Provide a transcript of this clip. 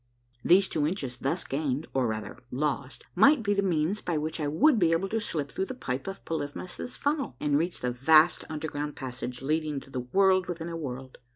These two inches thus gained, or, rather, lost, might be the means by which I would be able to slip through the pipe of Polyphemus' Funnel and reach the vast underground passage leading to the World within a World.